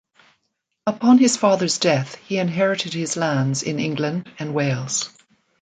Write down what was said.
Upon his father's death, he inherited his lands in England and Wales.